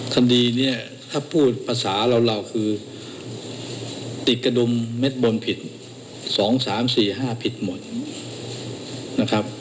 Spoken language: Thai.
คดีนี้ถ้าพูดภาษาเราคือติดกระดุมเม็ดบนผิด๒๓๔๕ผิดหมดนะครับ